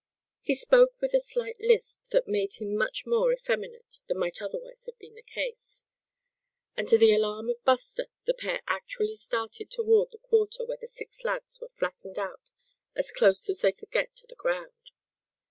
He spoke with a slight lisp that made him seem much more effeminate than might otherwise have been the case. And to the alarm of Buster the pair actually started toward the quarter where the six lads were flattened out as close as they could get to the ground.